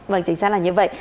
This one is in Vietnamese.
vâng chính xác là như vậy